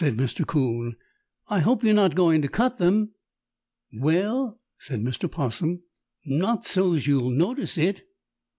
"] "Oh," said Mr. 'Coon. "I hope you're not going to cut them!" "Well," said Mr. 'Possum, "Not so's you'll notice it."